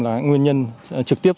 là nguyên nhân trực tiếp